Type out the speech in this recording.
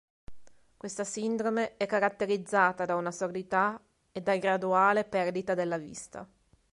Questa sindrome è caratterizzata da sordità e da graduale perdita della vista.